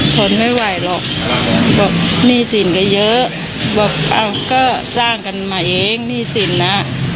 ทนไม่ไหวหรอกบอกหนี้สินก็เยอะบอกอ้าวก็สร้างกันมาเองหนี้สินนะ